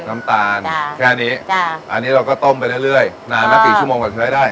แค่อันนี้อันนี้เราก็ต้มไปเรื่อยนานนักกี่ชั่วโมงก็ใช้ได้